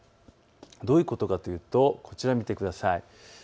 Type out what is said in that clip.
どういうことかというとこちらを見てください。